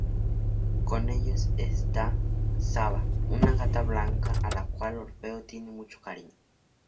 Con ellos está Saba, una gata blanca a la cual Orfeo tiene mucho cariño.